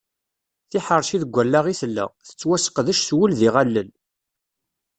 Tiḥerci deg wallaɣ i tella, tettwaseqdec s wul d yiɣallen.